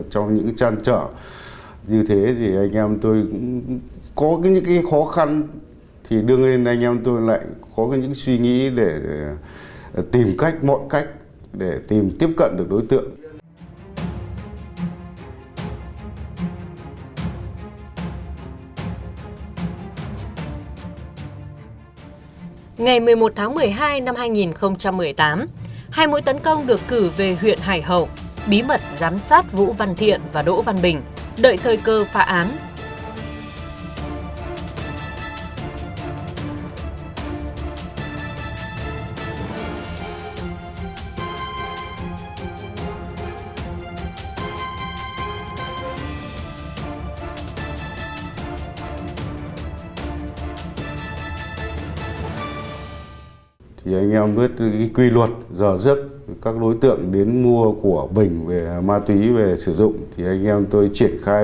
trong thời gian này những cuộc giao hàng của hắn vẫn được thực hiện cho lọt